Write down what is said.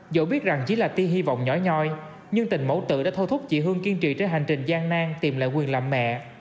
dẫu biết rằng chỉ là ti hy vọng nhỏ nhoi nhưng tình mẫu tự đã thôi thúc chị hương kiên trì trên hành trình gian nan tìm lại quyền làm mẹ